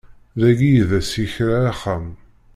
Dagi i d as-yekra axxam.